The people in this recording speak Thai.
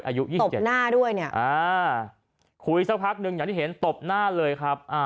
อายุยิ่งตบหน้าด้วยเนี่ยคุยสักพักหนึ่งอย่างที่เห็นตบหน้าเลยครับ